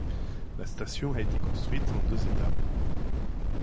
La station a été construite en deux étapes.